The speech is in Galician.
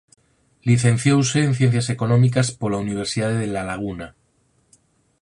Licenciouse en Ciencias Económicas pola Universidade de La Laguna.